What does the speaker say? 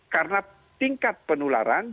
karena tingkat penularan